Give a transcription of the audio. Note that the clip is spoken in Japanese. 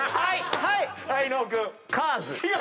はい。